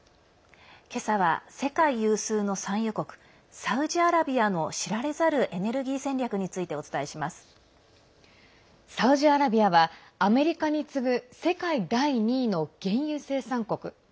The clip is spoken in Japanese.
今朝は、世界有数の産油国サウジアラビアの知られざるエネルギー戦略についてサウジアラビアはアメリカに次ぐ世界第２位の原油生産国。